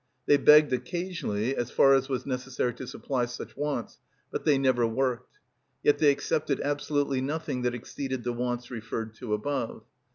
They begged occasionally, as far as was necessary to supply such wants, but they never worked. Yet they accepted absolutely nothing that exceeded the wants referred to above.